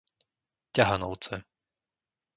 Ťahanovce